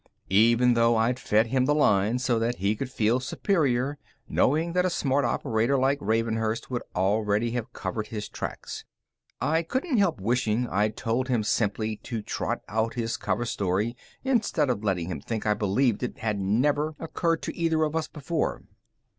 Even though I'd fed him the line so that he could feel superior, knowing that a smart operator like Ravenhurst would already have covered his tracks. I couldn't help wishing I'd told him simply to trot out his cover story instead of letting him think I believed it had never occurred to either of us before.